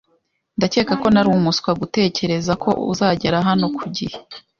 Ndakeka ko nari umuswa gutegereza ko uzagera hano ku gihe.